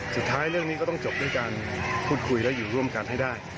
เรื่องนี้ก็ต้องจบด้วยการพูดคุยและอยู่ร่วมกันให้ได้